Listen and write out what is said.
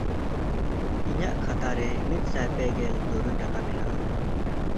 ᱤᱧᱟᱜ ᱠᱷᱟᱛᱟ ᱨᱮ ᱢᱤᱫᱥᱟᱭ ᱯᱮᱜᱮᱞ ᱛᱩᱨᱩᱭ ᱴᱟᱠᱟ ᱢᱮᱱᱟᱜᱼᱟ᱾